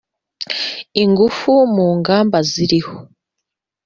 ingufu mu ngamba ziriho.